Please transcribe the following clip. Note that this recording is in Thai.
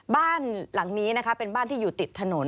บ้านหลังนี้นะคะเป็นบ้านที่อยู่ติดถนน